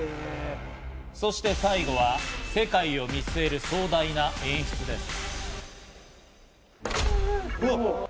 そして最後は世界を見据える壮大な演出です。